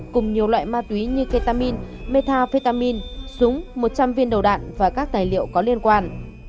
cùng nhiều loại ma túy như ketamin metafetamin súng một trăm linh viên đầu đạn và các tài liệu có liên quan